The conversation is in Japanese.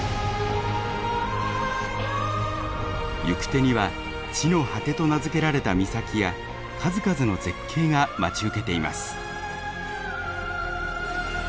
行く手には地の果てと名付けられた岬や数々の絶景が待ち受けています。